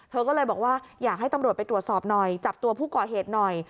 เธอก็เลยบอกว่าอยากให้ตำรวจไปตรวจสอบหน่อยจับตัวผู้ก่อเหตุหน่อย